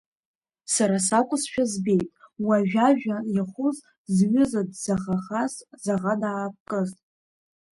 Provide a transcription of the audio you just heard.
Сара сакәызшәа збеит уажә ажәа иахәыз, зҩыза дзаӷахаз, заӷа даапкыз…